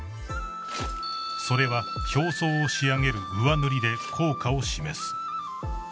［それは表層を仕上げる上塗りで効果を示す］